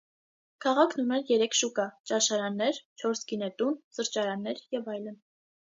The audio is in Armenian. Քաղաքն ուներ երեք շուկա, ճաշարաններ, չորս գինետուն, սրճարաններ և այլն։